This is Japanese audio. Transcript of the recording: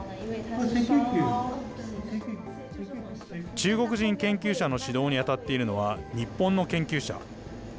中国人研究者の指導に当たっているのは、日本の研究者。